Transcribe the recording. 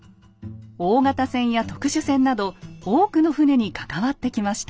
大型船や特殊船など多くの船に関わってきました。